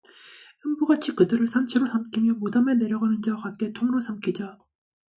음부 같이 그들을 산 채로 삼키며 무덤에 내려가는 자 같게 통으로 삼키자